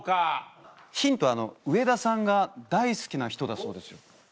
ヒントは上田さんが大好きな人だそうですよ。